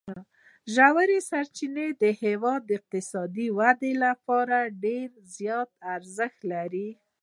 ژورې سرچینې د هېواد د اقتصادي ودې لپاره ډېر زیات ارزښت لري.